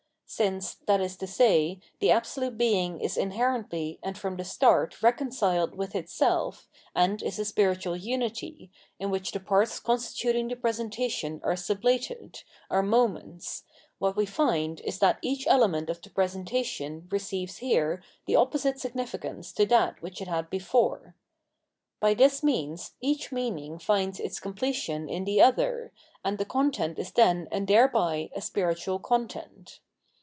Since, tliat is to say, the Absolute Being is inherently and from the start reconciled with itself and is a spiritual unity, in which the parts constituting the presentation are sublated, are moments, what^ we find is that each element of the presentation receives here the opposite significance to that which it had before. By this means each meaning finds its completion in the, other, and the content is then and thereby a spiritual content.